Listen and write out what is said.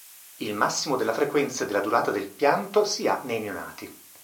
Il massimo della frequenza e della durata del pianto si ha nei neonati.